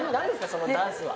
そのダンスは。